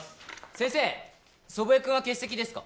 先生祖父江君は欠席ですか？